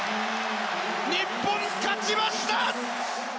日本勝ちました！